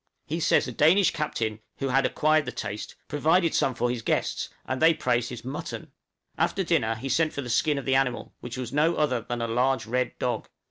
He says a Danish captain, who had acquired the taste, provided some for his guests, and they praised his mutton! after dinner he sent for the skin of the animal, which was no other than a large red dog!